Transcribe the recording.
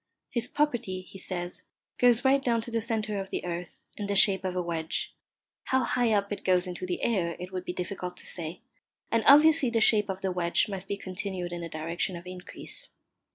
His property, he says, goes right down to the centre of the earth, in the shape of a wedge; how high up it goes into the air it would be difficult to say, and obviously the shape of the wedge must be continued in the direction of increase.